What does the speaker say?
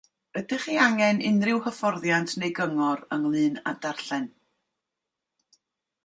Ydych chi angen unrhyw hyfforddiant neu gyngor ynglŷn â darllen?